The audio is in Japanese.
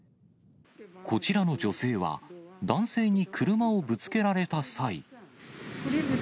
こちらの女性は、男性に車をぶつけられた際。